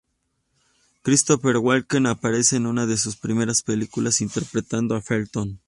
Christopher Walken aparece en una de sus primeras películas interpretando a Felton.